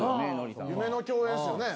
夢の共演っすよね。